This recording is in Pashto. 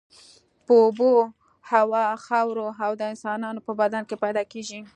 په اوبو، هوا، خاورو او د انسانانو په بدن کې پیدا کیږي.